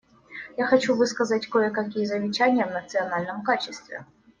Я хочу высказать кое-какие замечания в национальном качестве.